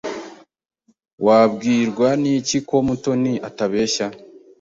Wabwirwa n'iki ko Mutoni atabeshya?